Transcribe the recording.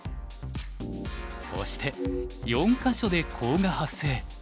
そして４か所でコウが発生。